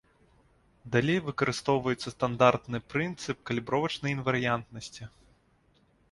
Далей выкарыстоўваецца стандартны прынцып калібровачнай інварыянтнасці.